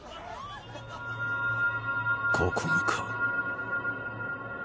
ここもか